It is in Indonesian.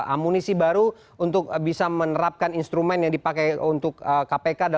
amunisi baru untuk bisa menerapkan instrumen yang dipakai untuk kpk dalam memberantas kasus korupsi ini